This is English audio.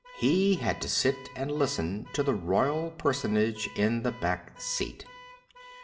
He had to sit and listen to the Royal Personage in the back seat.